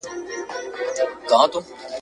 د ځنګله په غرڅه ګانو کي سردار وو .